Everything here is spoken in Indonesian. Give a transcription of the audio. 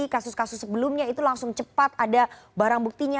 kasus kasus sebelumnya itu langsung cepat ada barang buktinya